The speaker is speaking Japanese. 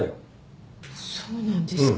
そうなんですか。